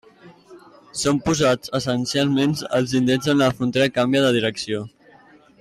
Són posats essencialment als indrets on la frontera canvia de direcció.